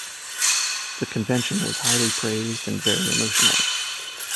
The convention was highly praised and very emotional.